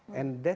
dan itu adalah